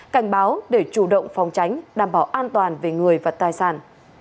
cảnh báo để chủ động phòng tránh đảm bảo an toàn về người và tài sản